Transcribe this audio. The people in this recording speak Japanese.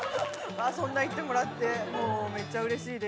そんな言ってもらってもう。